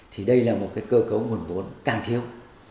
thì đây là một cơ cấu nguồn vốn càng thiếu